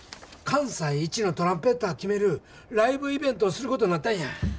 関西一のトランペッター決めるライブイベントをすることになったんや。